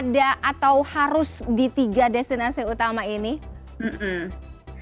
nah bagaimana kesiapan dari tiga destinasi utama ini menyebut wisatawan kemudian